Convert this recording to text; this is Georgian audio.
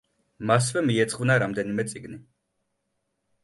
მასვე მიეძღვნა რამდენიმე წიგნი.